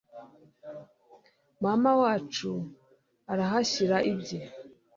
Mama wacu arahashyira ibye